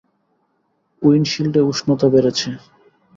উইন্ডশীল্ডে উষ্ণতা বেড়েছে।